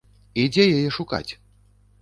І дзе яе шукаць?